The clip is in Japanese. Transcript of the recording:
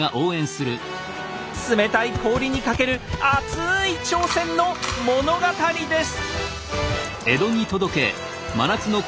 冷たい氷にかける熱い挑戦の物語です。